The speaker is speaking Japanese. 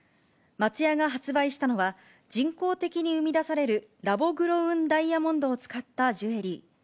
松屋が発売したのは、人工的に生み出される、ラボグロウンダイヤモンドを使ったジュエリー。